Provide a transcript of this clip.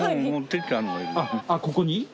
あっここに？